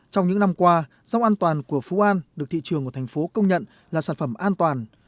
trong những năm qua rau an toàn của phú an được thị trường của thành phố công nhận là sản phẩm an toàn